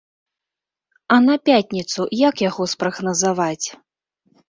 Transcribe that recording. А на пятніцу як яго спрагназаваць?